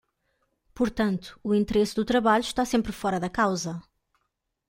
Portanto, o interesse do trabalho está sempre fora da causa.